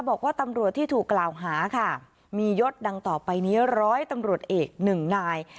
บอกว่าตำรวจที่ถูกกล่าวหาค่ะมียศดังต่อไป๑๐๐ตำรวจเอก๑นาย